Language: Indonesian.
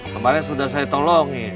kabarnya sudah saya tolongin